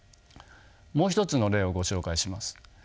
もう一つの例をご紹介します。